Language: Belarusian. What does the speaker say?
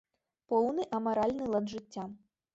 Поўны амаральны лад жыцця.